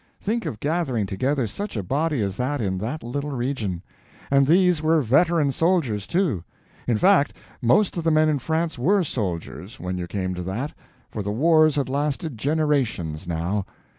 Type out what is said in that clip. Think of gathering together such a body as that in that little region. And these were veteran soldiers, too. In fact, most of the men in France were soldiers, when you came to that; for the wars had lasted generations now.